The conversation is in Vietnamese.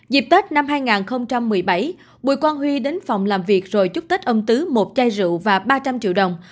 dịp tết năm hai nghìn một mươi bảy bùi quang huy đến phòng làm việc rồi chúc tết âm tứ một chai rượu và ba trăm linh triệu đồng